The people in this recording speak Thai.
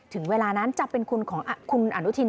ถึงเวลานั้นจะเป็นคุณของคุณอนุทิน